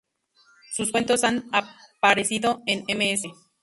Sus cuentos han aparecido en "Ms.